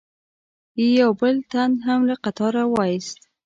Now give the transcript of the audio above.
یې یو بل تن هم له قطاره و ایست.